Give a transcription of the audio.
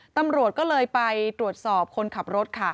ตำรวจก็เลยไปตรวจสอบคนขับรถค่ะ